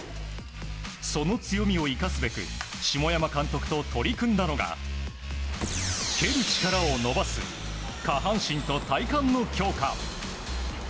その強みを生かすべく下山監督と取り組んだのが、蹴る力を伸ばす下半身と体幹の強化。